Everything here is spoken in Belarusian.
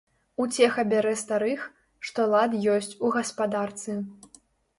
Уцеха бярэ старых, што лад ёсць у гаспадарцы.